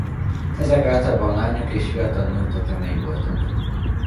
Ezek általában lányok és fiatal nők tetemei voltak.